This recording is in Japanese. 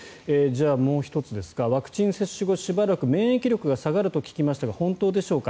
もう１つワクチン接種後しばらく免疫力が下がると聞きましたが本当でしょうか。